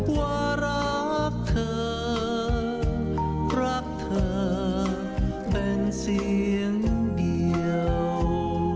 ว่ารักเธอรักเธอเป็นเสียงเดียว